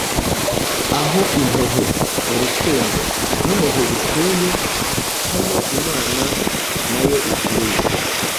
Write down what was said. Aho Impuhwe, Urukundo, n'Impuhwe bituye, Hano Imana nayo ituye.